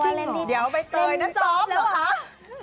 จริงเหรอเดี๋ยวใบเตยเล่มซอฟเหรอ